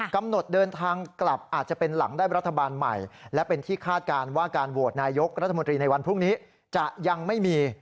กำหนดเดินทางกลับอาจจะเป็นหลังได้รัฐบาลใหม่และเป็นที่คาดการณ์ว่าการโหวตนายกรัฐมนตรีในวันพรุ่งนี้จะยังไม่มี